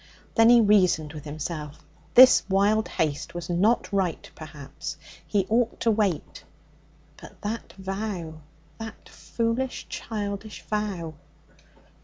Then he reasoned with himself. This wild haste was not right, perhaps. He ought to wait. But that vow! That foolish, childish vow!